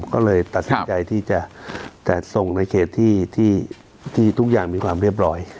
ก็เลยตัดสินใจที่จะจัดส่งในเขตที่ทุกอย่างมีความเรียบร้อย